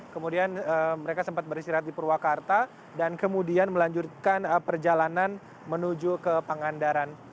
kemudian mereka sempat beristirahat di purwakarta dan kemudian melanjutkan perjalanan menuju ke pangandaran